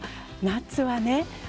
夏はね